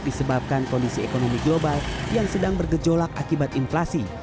disebabkan kondisi ekonomi global yang sedang bergejolak akibat inflasi